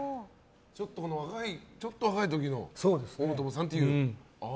ちょっと若い時の大友さんという。